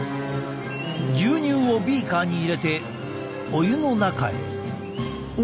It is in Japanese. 牛乳をビーカーに入れてお湯の中へ！